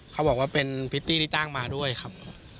เขาบอกว่าเป็นพริตตี้ที่จ้างมาด้วยครับ